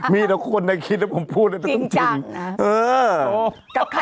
มีแต่คนที่คิดว่าผมพูดมันต้องจริงจริงจังนะ